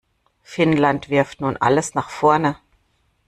Finnland wirft nun alles nach vorne.